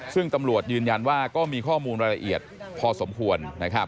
ซึ่งตำรวจยืนยันว่าก็มีข้อมูลรายละเอียดพอสมควร